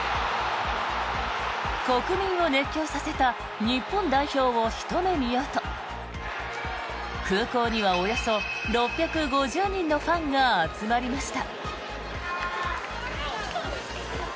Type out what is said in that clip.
国民を熱狂させた日本代表をひと目見ようと空港にはおよそ６５０人のファンが集まりました。